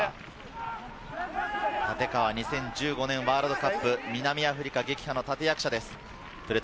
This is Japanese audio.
立川は２０１５年ワールドカップ、南アフリカ撃破の立役者です。